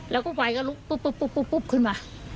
แล้วก็ไฟก็ลุบขึ้นมา